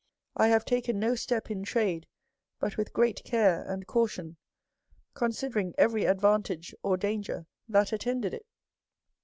I have taken no step in trade but with great care and caution, considering every advantage or danger that attended it.